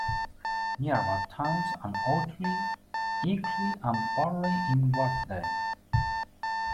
Nearby towns are Otley, Ilkley and Burley-in-Wharfedale.